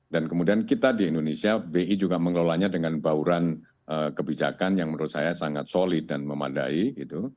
dan kemudian kita di indonesia bri juga mengelolanya dengan bauran kebijakan yang menurut saya sangat solid dan memadai gitu